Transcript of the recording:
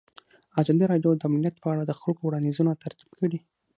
ازادي راډیو د امنیت په اړه د خلکو وړاندیزونه ترتیب کړي.